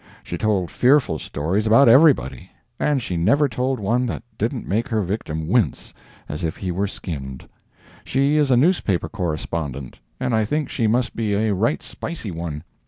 She told fearful stories about everybody. And she never told one that didn't make her victim wince as if he were skinned. She is a newspaper correspondent, and I think she must be a right spicy one.